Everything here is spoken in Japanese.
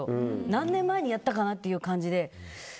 何年前にやったかなという感じで。